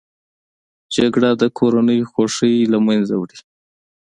جګړه د کورنۍ خوښۍ له منځه وړي